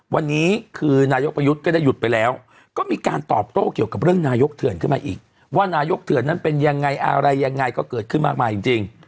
วันนี้คือนายกประยุทธ์ก็ได้หยุดไปแล้วก็มีการตอบโต้เกี่ยวกับเรื่องนายกเถื่อนขึ้นมาอีกว่านายกเถื่อนนั้นเป็นยังไงอะไรยังไงก็เกิดขึ้นมากมายจริง